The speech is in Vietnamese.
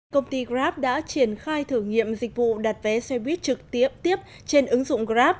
công ty grab đã triển khai thử nghiệm dịch vụ đặt vé xe buýt trực tiếp tiếp trên ứng dụng grab